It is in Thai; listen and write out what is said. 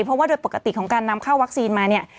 เพราะว่าโดยปกติของการนำเข้าวัคซีนมาเนี่ย